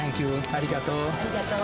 ありがとう！